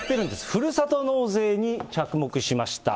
ふるさと納税に着目しました。